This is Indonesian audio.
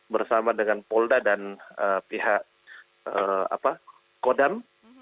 bersama dengan polda dan pihak kodam